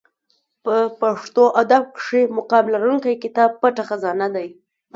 په پښتو ادب کښي مقام لرونکى کتاب پټه خزانه دئ.